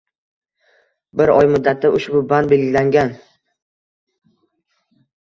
Bir oy muddatda ushbu band belgilangan